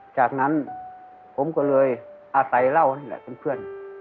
จากนั้นผมก็เลยอาศัยเหล้านี่แหละเป็นเพื่อน